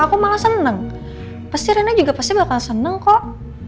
aku malah seneng pasti rina juga pasti bakal seneng kok